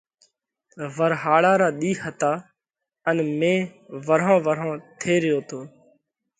ورهاۯا را ۮِي هتا ان مي ورهون ورهون ٿي ريو تو۔